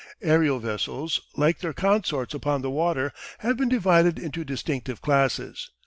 Aerial vessels, like their consorts upon the water, have been divided into distinctive classes.